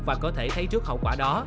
và có thể thấy trước hậu quả đó